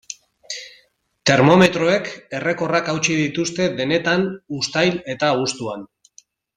Termometroek errekorrak hautsi dituzte denetan uztail eta abuztuan.